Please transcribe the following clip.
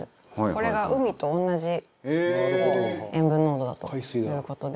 これが海と同じ塩分濃度だという事で。